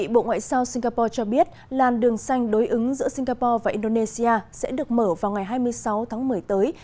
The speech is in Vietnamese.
bộ ngoại giao singapore cho biết làn đường xanh đối ứng giữa singapore và indonesia sẽ được mở vào ngày hai mươi sáu tháng một mươi tới